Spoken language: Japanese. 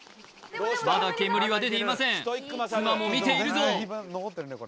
まだ煙は出ていません妻も見ているぞ